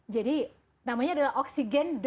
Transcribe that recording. jadi namanya adalah oksigen id ya